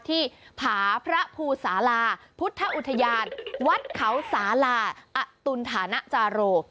ที่ผาพระภูสาลาพุทธอุทยานวัดเขาสาลาอตุลฐานะจาโร